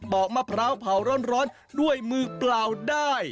เบาะมะพร้าวอล์ร้อนด้วยมือเปล่าได้